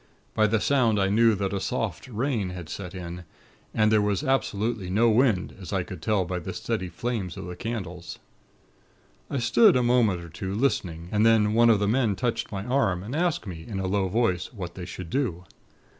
By the sound, I knew that a 'soft' rain had set in; and there was absolutely no wind, as I could tell by the steady flames of the candles. "I stood a moment or two, listening, and then one of the men touched my arm, and asked me in a low voice, what they should do.